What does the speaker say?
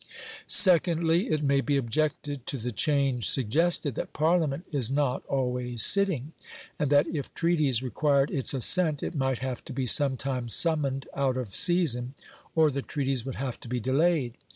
Secondly, it may be objected to the change suggested that Parliament is not always sitting, and that if treaties required its assent, it might have to be sometimes summoned out of season, or the treaties would have to be delayed.